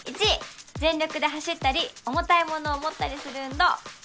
１全力で走ったり重たいものを持ったりする運動